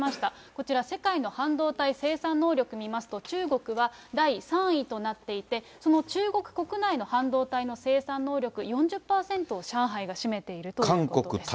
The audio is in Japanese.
こちら、世界の半導体生産能力見ますと、中国は第３位となっていて、その中国国内の半導体の生産能力、４０％を上海が占めているということです。